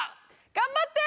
頑張って！